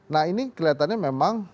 nah ini kelihatannya memang